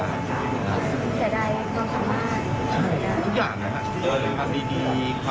ฟังเสียงคุณแฮกและคุณจิ้มค่ะ